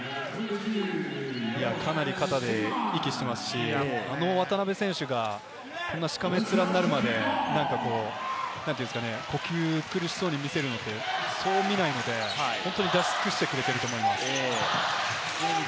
かなり肩で息していますし、あの渡邊選手があんなしかめっ面になるまで、呼吸を苦しそうに見せるのって見ないので、本当に出し尽くしてくれていると思います。